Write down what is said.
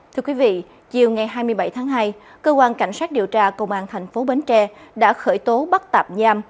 thưa quý vị chiều ngày hai mươi bảy tháng hai cơ quan cảnh sát điều tra công an tp bến tre đã khởi tố bắt tạp nham